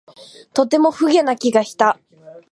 とても不毛な気がした